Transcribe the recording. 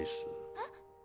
えっ？